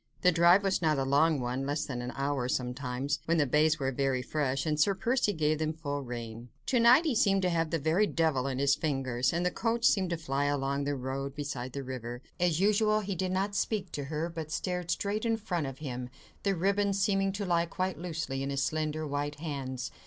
The drive was not a long one—less than an hour, sometimes, when the bays were very fresh, and Sir Percy gave them full rein. To night he seemed to have a very devil in his fingers, and the coach seemed to fly along the road, beside the river. As usual, he did not speak to her, but stared straight in front of him, the ribbons seeming to lie quite loosely in his slender, white hands.